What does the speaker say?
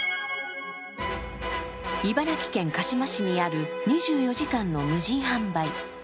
茨城県鹿嶋市にある２４時間の無人販売。